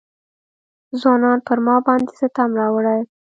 ځوانانو پر ما باندې ستم راوړی.